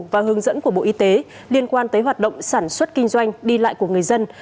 và hướng dẫn của bộ y tế liên quan tới hoạt động sản xuất kinh doanh đi lại của người dân